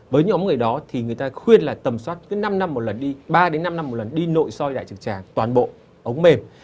với nhóm người đó thì người ta khuyên là tầm soát ba đến năm năm một lần đi nội soi đại tràng toàn bộ ống mềm